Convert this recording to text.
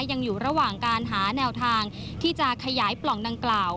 ยังอยู่ระหว่างการหาแนวทางที่จะขยายปล่องดังกล่าว